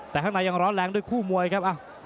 แต่ข้างในยังร้อนแรงด้วยคู่มวยครับ